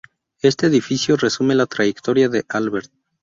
Este edificio resume la trayectoria de Albert.